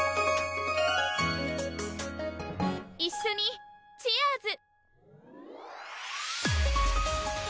一緒にチアーズ！